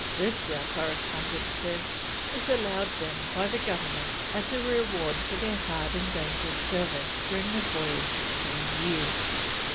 This, our correspondent says, is allowed them by the Government as a reward for their hard and dangerous service during a voyage of three years."